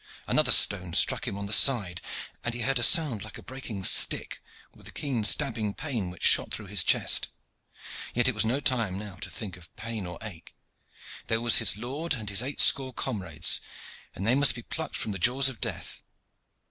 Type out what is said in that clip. Another stone struck him on the side, and he heard a sound like a breaking stick, with a keen stabbing pain which shot through his chest. Yet it was no time now to think of pain or ache. There was his lord and his eight score comrades, and they must be plucked from the jaws of death.